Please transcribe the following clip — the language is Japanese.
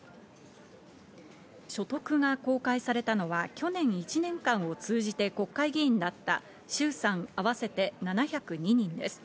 所得が公開されたのは去年１年間を通じて国会議員だった衆・参合わせて７０２人です。